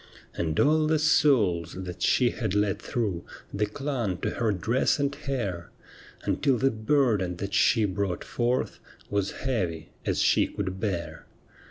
And all the souls that she had let through They clung to her dress and hair. Until the burden that she brought forth Was heavy as she could bear.